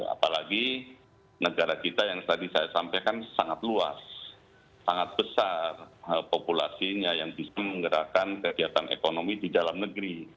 apalagi negara kita yang tadi saya sampaikan sangat luas sangat besar populasinya yang bisa menggerakkan kegiatan ekonomi di dalam negeri